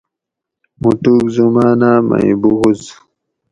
موٹوگ زماناۤ مئ بغض